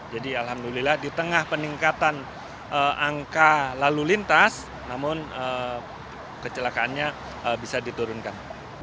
jadi alhamdulillah di tengah peningkatan angka lalu lintas namun kecelakaannya bisa diturunkan